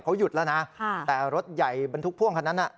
เขาหยุดแล้วนะแต่รถใหญ่บรรทุกพ่วงคันนั้นน่ะ